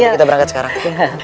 kita berangkat sekarang